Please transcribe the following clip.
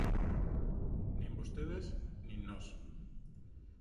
Nin vostedes nin nós.